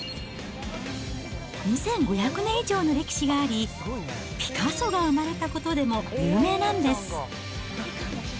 ２５００年以上の歴史があり、ピカソが生まれたことでも有名なんです。